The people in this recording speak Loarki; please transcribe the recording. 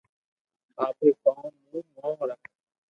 آپري ڪوم مون موم رک